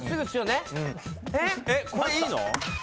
これいいの？